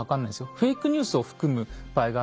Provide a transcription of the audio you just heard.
フェイクニュースを含む場合があるので。